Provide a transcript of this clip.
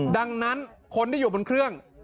ดังนั้นคนที่อยู่บนเครื่อง